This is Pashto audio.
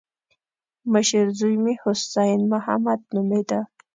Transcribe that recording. مشر زوی مې حسين محمد نومېده.